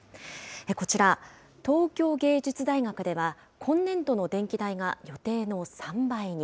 こちら、東京藝術大学では今年度の電気代が予定の３倍に。